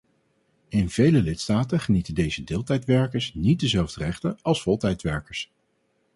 In vele lidstaten genieten deze deeltijdwerkers niet dezelfde rechten als voltijdwerkers.